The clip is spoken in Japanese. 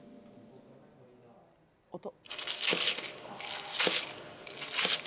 音。